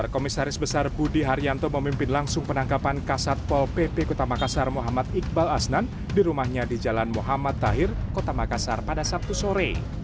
kepala restabes makassar